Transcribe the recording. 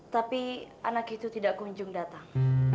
tapi anak itu tidak kunjung datang